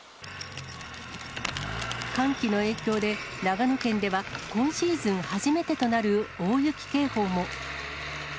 寒気の影響で、長野県では今シーズン初めてとなる大雪警報も。